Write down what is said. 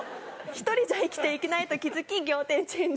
一人じゃ生きていけないと気づき仰天チェンジ